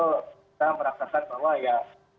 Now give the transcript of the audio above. kita merangkapkan bahwa ya